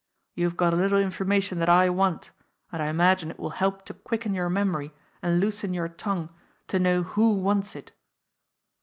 You've got a little information that I want, and I imagine it will help to quicken your memory and loosen your tongue to know who wants it."